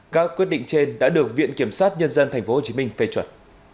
các quyết định trên đã được viện kiểm sát nhân dân tp hcm phê chuẩn